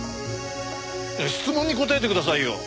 いや質問に答えてくださいよ！